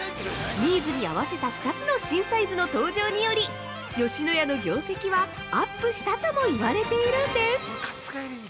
ニーズに合わせた２つの新サイズの登場により、吉野家の業績はアップしたとも言われているんです。